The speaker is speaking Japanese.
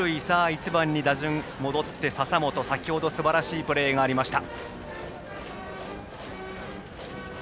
１番に打順が戻って笹本、先程すばらしいプレーがありました。